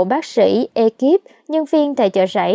bác sĩ ekip nhân viên tại chợ rảy